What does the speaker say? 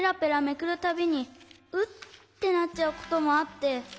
めくるたびにウッてなっちゃうこともあって。